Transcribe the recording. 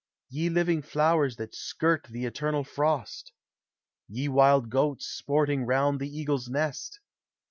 Y"e living flowers that skirt the eternal frost! Ye wild goats sporting round the eagle's nest